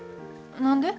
何で？